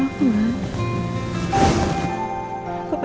aku tidak itu mas